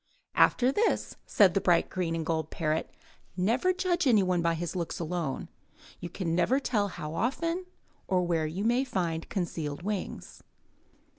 "After this," said the bright green and gold parrot, "never judge any one by his looks alone. You never can tell how often or where you may find concealed wings.